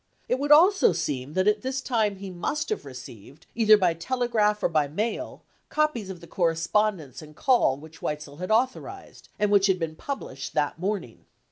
It would also seem that at this time he must have received, either by telegraph or by mail, copies of the cor respondence and call which Weitzel had authorized, and which had been published that morning.